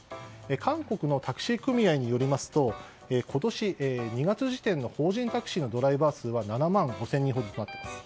韓国のタクシー組合によりますと今年２月時点の法人タクシーのドライバー数は７万５０００人ほどとなっています。